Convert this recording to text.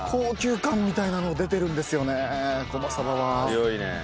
強いね。